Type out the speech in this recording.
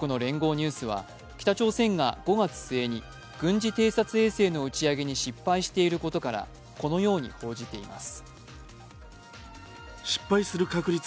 ニュースは北朝鮮が５月末に軍事偵察衛星の打ち上げに失敗していることから、このように報じています。